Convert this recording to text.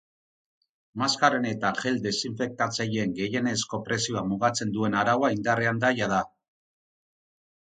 Maskaren eta gel desinfektatzaileen gehienezko prezioa mugatzen duen araua indarrean da jada.